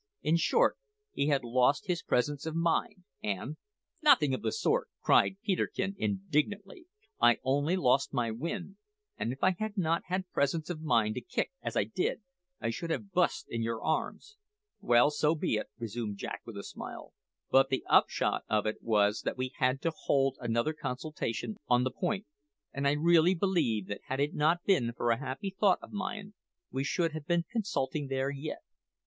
In short, he had lost his presence of mind, and " "Nothing of the sort!" cried Peterkin indignantly; "I only lost my wind, and if I had not had presence of mind enough to kick as I did, I should have bu'st in your arms!" "Well, well, so be it," resumed Jack with a smile. "But the upshot of it was that we had to hold another consultation on the point; and I really believe that had it not been for a happy thought of mine, we should have been consulting there yet."